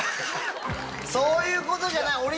そういうことじゃない。